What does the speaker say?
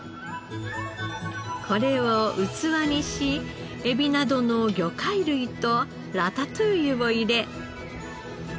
これを器にしエビなどの魚介類とラタトゥイユを入れ。